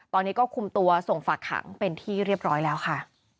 ตอนนี้ก็คุมตัวส่งฝากขังเป็นที่เรียบร้อยแล้วค่ะ